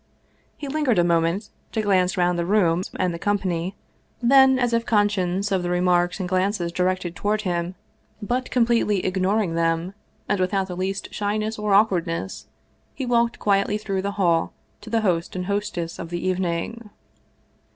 He lingered a moment to glance round the rooms and the company; then, as if conscious of the remarks and glances directed toward him, but completely " ignoring " 209 Russian Mystery Stories them, and without the least shyness or awkwardness, he walked quietly through the hall to the host and hostess of the evening.